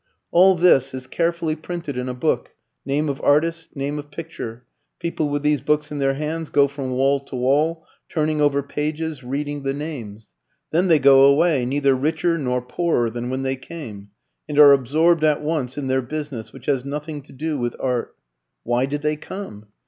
All this is carefully printed in a book name of artist name of picture. People with these books in their hands go from wall to wall, turning over pages, reading the names. Then they go away, neither richer nor poorer than when they came, and are absorbed at once in their business, which has nothing to do with art. Why did they come?